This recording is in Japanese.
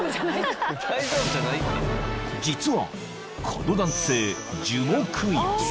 ［実はこの男性］